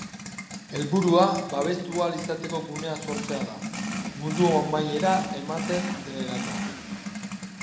Helburua, babestu ahal izateko gunea sortzea da, mundu amaiera ematen denerako.